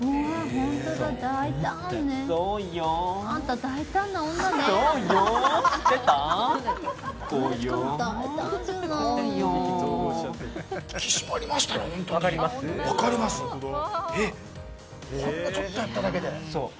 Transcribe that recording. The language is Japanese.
ほんのちょっとやっただけで。